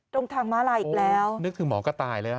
ตรงทางมลายอีกแล้วโอ้นึกถึงหมอกระตายเลยอ่ะ